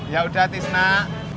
yaudah tis nak